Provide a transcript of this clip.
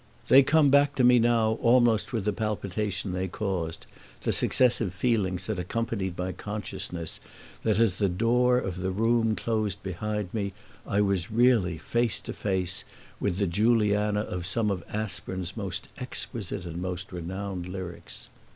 They come back to me now almost with the palpitation they caused, the successive feelings that accompanied my consciousness that as the door of the room closed behind me I was really face to face with the Juliana of some of Aspern's most exquisite and most renowned lyrics.